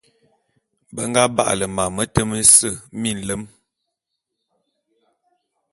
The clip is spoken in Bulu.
Be nga ba'ale mam mete mese minlem.